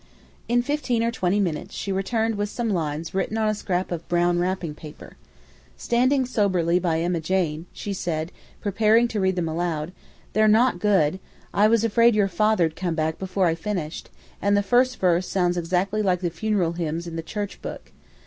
In fifteen or twenty minutes she returned with some lines written on a scrap of brown wrapping paper. Standing soberly by Emma Jane, she said, preparing to read them aloud: "They're not good; I was afraid your father'd come back before I finished, and the first verse sounds exactly like the funeral hymns in the church book.